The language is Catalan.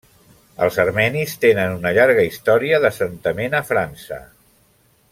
Els armenis tenen una llarga història d'assentament a França.